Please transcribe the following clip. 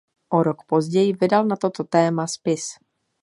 O rok později vydal na toto téma spis.